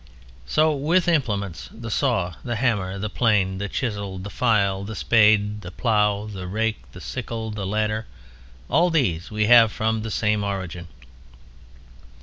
So with implements: the saw, the hammer, the plane, the chisel, the file, the spade, the plough, the rake, the sickle, the ladder; all these we have from that same origin.